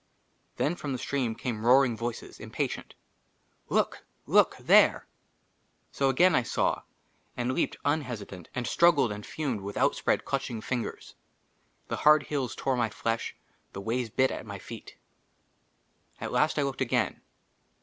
5» J THEN FROM THE STREAM CAME ROARING VOICES, IMPATIENT :" LOOK ! LOOK ! THERE !". SO AGAIN I SAW, AND LEAPED, UNHESITANT, AND STRUGGLED AND FUMED WITH OUTSPREAD CLUTCHING FINGERS. THE HARD HILLS TORE MY FLESH ; THE WAYS BIT MY FEET. AT LAST I LOOKED AGAIN.